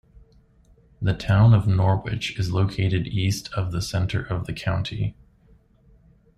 The town of Norwich is located east of the center of the county.